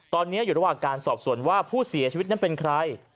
ตอนนี้อยู่ระหว่างการสอบส่วนว่าผู้เสียชีวิตนั้นเป็นใคร